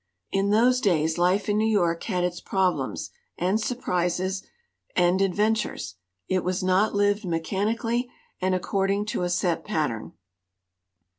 In those days life in New York had its problems and surprises and adventures; it was not lived mechanically and according to a set pattern.